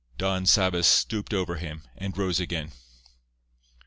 Don Sabas stooped over him, and rose again.